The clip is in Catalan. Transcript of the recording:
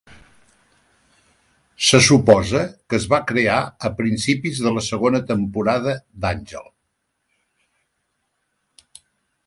Se suposa que es va crear a principis de la segona temporada d'"Angel".